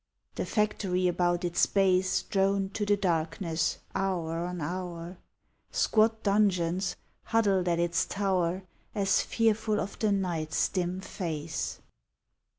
The factory about its base Droned to the darkness, hour on hour Squat dungeons, huddled at its tow r, As fearful of the night s dim face.